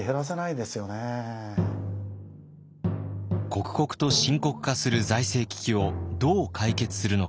刻々と深刻化する財政危機をどう解決するのか。